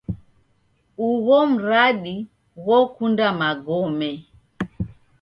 Ugho mradi ghokunda magome.